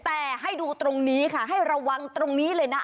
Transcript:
แต่ให้ดูตรงนี้ค่ะให้ระวังตรงนี้เลยนะ